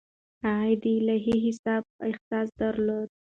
هغه د الهي حساب احساس درلود.